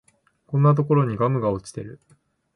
こんなところにガムが落ちてる